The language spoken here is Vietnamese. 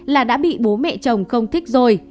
là đã bị bố mẹ chồng không thích rồi